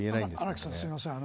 荒木さん、すいません